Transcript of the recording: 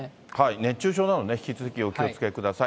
熱中症などね、引き続きお気をつけください。